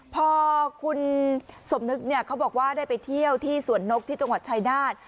พอคุณสมนึกเนี่ยเขาบอกว่าได้ไปเที่ยวที่สวนนกที่จังหวัดชายนาฏ